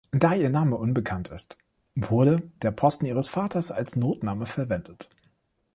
Da ihr Name unbekannt ist, wurde der Posten ihres Vaters als Notname verwendet.